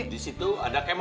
di situ ada kemon